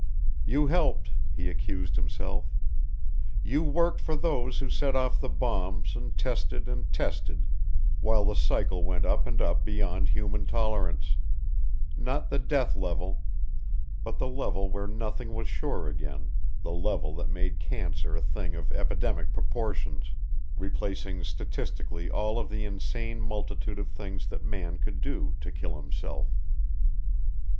_ You helped, he accused himself. You worked for those who set off the bombs and tested and tested while the cycle went up and up beyond human tolerance not the death level, but the level where nothing was sure again, the level that made cancer a thing of epidemic proportions, replacing statistically all of the insane multitude of things that man could do to kill himself.